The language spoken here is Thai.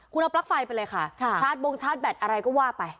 คุณเอาปลั๊กไฟไปเลยค่ะชาร์จบงชาร์จแบตอะไรก็ว่าไป